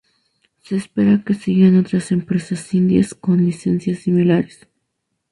Se espera que sigan otras empresas indias con licencias similares.